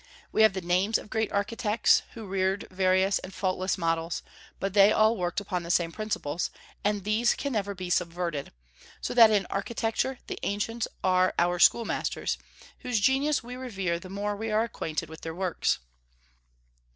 We have the names of great architects, who reared various and faultless models, but they all worked upon the same principles, and these can never be subverted; so that in architecture the ancients are our schoolmasters, whose genius we revere the more we are acquainted with their works.